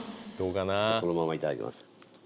じゃあこのままいただきます